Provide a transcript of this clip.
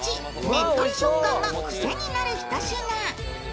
ねっとり食感がクセになるひと品。